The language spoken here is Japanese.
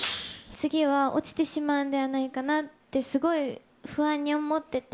次は落ちてしまうんではないかなって、すごい不安に思ってて。